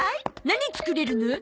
何作れるの？